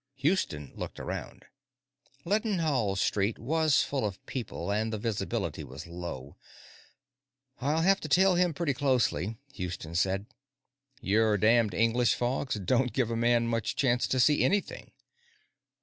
Houston looked around. Leadenhall Street was full of people, and the visibility was low. "I'll have to tail him pretty closely," Houston said. "Your damned English fogs don't give a man much chance to see anything."